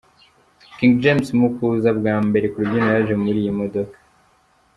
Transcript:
King James mu kuza bwa mbere ku rubyiniro yaje muri iyi modoka.